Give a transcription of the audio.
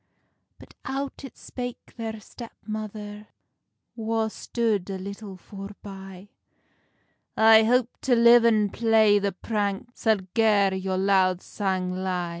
But out it spake their step mother, Wha stood a little foreby: "I hope to live and play the prank Sal gar your loud sang ly."